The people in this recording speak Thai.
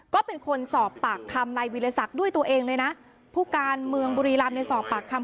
ก็เป็นคนสอบปากคำนายวิรสักด้วยตัวเองเลยนะผู้การเมืองบุรีรำในสอบปากคำ